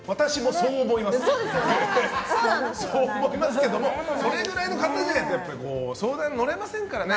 そう思いますけどもそれぐらいの方じゃないと相談に乗れませんからね。